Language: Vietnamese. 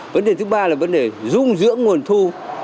vấn đề thứ ba là vấn đề dung dưỡng nguồn thu